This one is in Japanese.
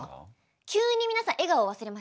急に皆さん笑顔忘れましたね。